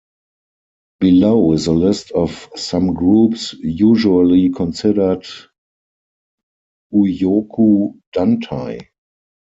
Below is a list of some groups usually considered "uyoku dantai".